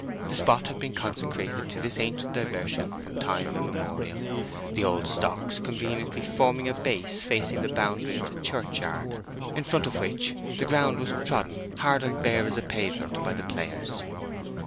The spot had been consecrated to this ancient diversion from time immemorial, the old stocks conveniently forming a base facing the boundary of the churchyard, in front of which the ground was trodden hard and bare as a pavement by the players.